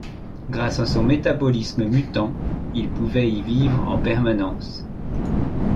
Grâce à son métabolisme mutant, il pouvait y vivre en permanence.